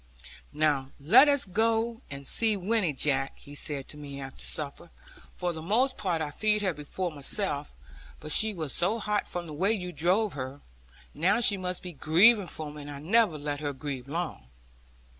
'Now let us go and see Winnie, Jack,' he said to me after supper; 'for the most part I feed her before myself; but she was so hot from the way you drove her. Now she must be grieving for me, and I never let her grieve long.'